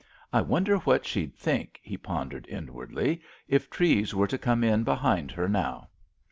"I wonder what she'd think," he pondered inwardly, "if Treves were to come in behind her now."